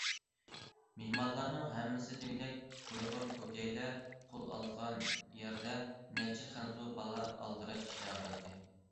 مېھمانلارنىڭ ھەممىسى دېگۈدەك ئۇيغۇر، پوكەيدە، پۇل ئالدىغان يەردە نەچچە خەنزۇ بالا ئالدىراش ئىشلەۋاتاتتى.